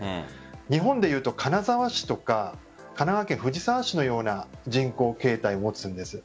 日本でいうと金沢市とか神奈川県藤沢市のような人口形態を持つんです。